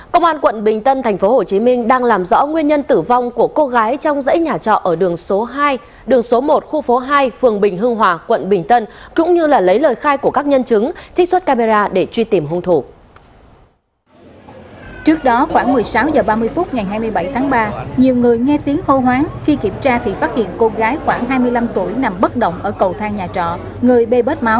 các bạn hãy đăng ký kênh để ủng hộ kênh của chúng mình nhé